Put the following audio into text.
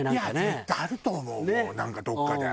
絶対あると思うよなんかどっかで。